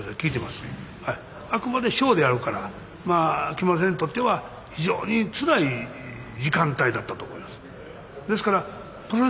あくまでショーであるから木村先生にとっては非常につらい時間帯だったと思います。